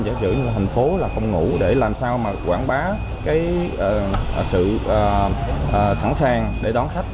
giả sử thành phố là phòng ngủ để làm sao mà quảng bá cái sự sẵn sàng để đón khách